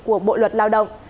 của bộ luật lao động